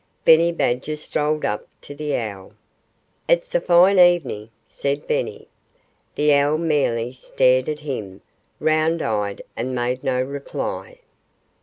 Benny Badger strolled up to the owl. "It's a fine evening!" said Benny. The owl merely stared at him, round eyed, and made no reply.